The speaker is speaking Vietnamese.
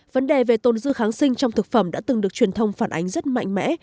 vấn đề về tôn dư kháng sinh trong thực phẩm đã từng được truyền thông phản ánh rất mạnh mẽ